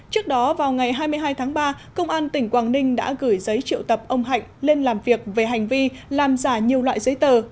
trước đó vào ngày hai mươi hai tháng ba công an tỉnh quảng ninh đã gửi giấy triệu tập ông hạnh lên làm việc về hành vi làm giả nhiều loại giấy tờ